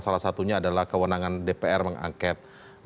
salah satunya adalah kewenangan dpr mengangket